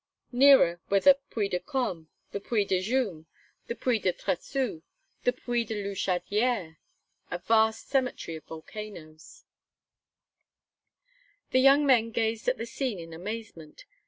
Nearer, were the Puy de Come, the Puy de Jumes, the Puy de Tressoux, the Puy de Louchadière a vast cemetery of volcanoes. The young men gazed at the scene in amazement.